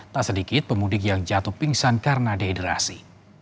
tak sedikit pemudik yang jatuh pingsan karena dehidrasi